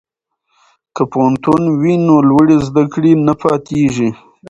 که پوهنتون وي نو لوړې زده کړې نه پاتیږي.